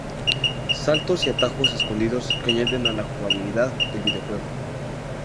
Saltos y atajos escondidos que añaden a la jugabilidad del videojuego.